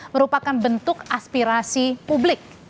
merupakan bentuk aspirasi publik